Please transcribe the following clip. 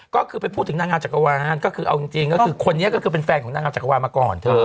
ก็คือไปพูดถึงนางงามจักรวาลก็คือเอาจริงก็คือคนนี้ก็คือเป็นแฟนของนางงามจักรวาลมาก่อนเธอ